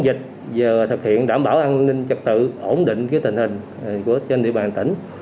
dịch vừa thực hiện đảm bảo an ninh trật tự ổn định tình hình trên địa bàn tỉnh